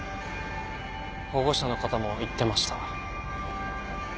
保護者の方も言ってました。